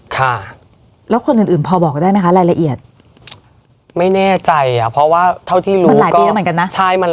แต่น้อง๓วันเนี่ยคือยังไม่แปลงเพศ